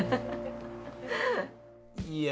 いや！